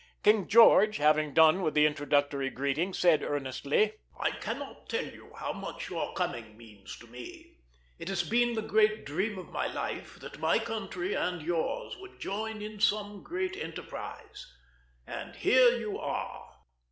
King George, having done with the introductory greeting, said earnestly: "I cannot tell you how much your coming means to me. It has been the great dream of my life that my country and yours would join in some great enterprise ... and here you are...."